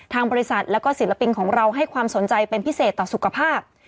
สิทธิ์ศิลปิงของเราให้ความสนใจเป็นพิเศษต่อสุขภาพ